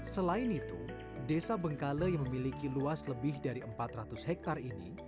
selain itu desa bengkale yang memiliki luas lebih dari empat ratus hektare ini